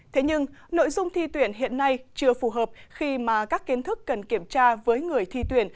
thế nhưng nội dung thi tuyển hiện nay chưa phù hợp khi mà các kiến thức cần kiểm tra với người thi tuyển